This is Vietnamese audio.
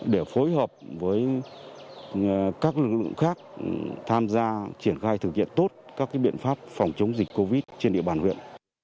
để phối hợp với các lực lượng khác tham gia triển khai thực hiện tốt các biện pháp phòng chống dịch covid trên địa bàn huyện